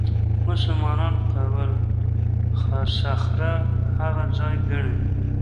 مسلمانان قبه الصخره هغه ځای ګڼي.